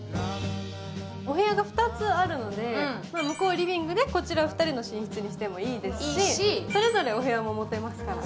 お部屋が２つあるので、向こうリビングでこちら２人の寝室にしてもいいですし、それぞれお部屋も持てますからね。